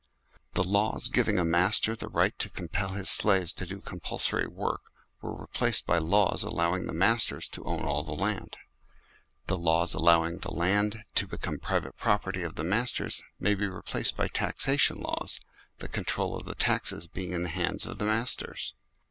The laws giving a master the right to com pel his slaves to do compulsory work, were re placed by laws allowing the masters to own all the land. The laws allowing all the land to become the private property of the masters may be replaced by taxation laws, the control of the taxes being in the hands of the masters.